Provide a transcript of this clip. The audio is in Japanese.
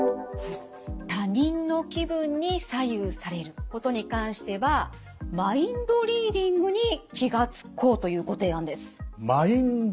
他人の気分に左右されることに関してはＭｉｎｄＲｅａｄｉｎｇに気が付こうというご提案です。